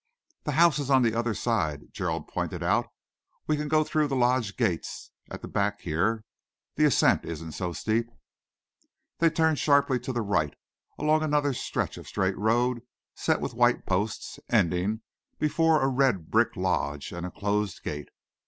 "The house is on the other side," Gerald pointed out. "We can go through the lodge gates at the back here. The ascent isn't so steep." They turned sharply to the right, along another stretch of straight road set with white posts, ending before a red brick lodge and a closed gate.